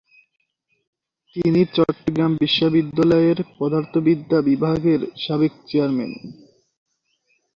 তিনি চট্টগ্রাম বিশ্ববিদ্যালয়ের পদার্থবিদ্যা বিভাগের সাবেক চেয়ারম্যান।